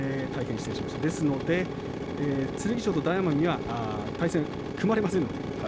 ですので、剣翔と大奄美は対戦が組まれません。